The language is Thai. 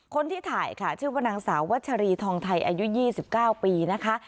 คนที่ถ่ายค่ะชื่อว่านางสาววัชรีทองไทยอายุ๒๙ปีนะคะ